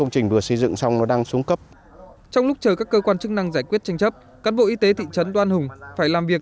trong lúc chờ các cơ quan chức năng giải quyết tranh chấp cán bộ y tế thị trấn đoan hùng phải làm việc